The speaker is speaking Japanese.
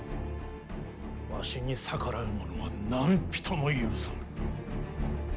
わしに逆らう者は何人も許さぬ。